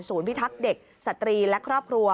พิทักษ์เด็กสตรีและครอบครัว